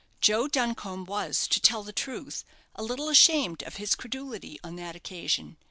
Joe Duncombe was, to tell the truth, a little ashamed of his credulity on that occasion.